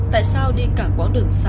tại sao đi cả quãng đường xa đến vậy